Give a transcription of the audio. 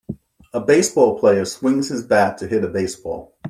a baseball player swings his bat to hit a baseball.